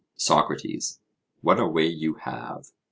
SOCRATES: What a way you have!